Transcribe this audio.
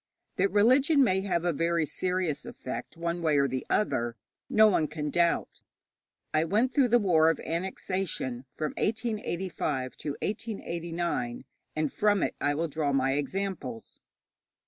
That religion may have a very serious effect one way or the other, no one can doubt. I went through the war of annexation, from 1885 to 1889, and from it I will draw my examples.